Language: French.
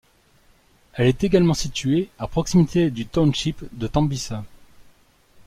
Elle est également située à proximité du township de Tembisa.